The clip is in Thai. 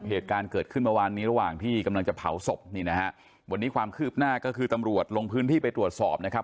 เหตุการณ์เกิดขึ้นเมื่อวานนี้ระหว่างที่กำลังจะเผาศพนี่นะฮะวันนี้ความคืบหน้าก็คือตำรวจลงพื้นที่ไปตรวจสอบนะครับ